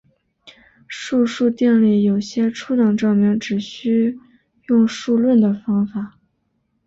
素数定理有些初等证明只需用数论的方法。